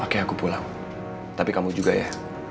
oke aku pulang tapi kamu juga ya